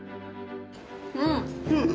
うん。